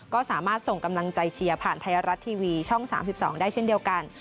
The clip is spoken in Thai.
ก็สามารถส่งกำลังใจเชียร์ผ่านไทยรัฐทีวีช่อง๓๒ได้เช่นเดียวกัน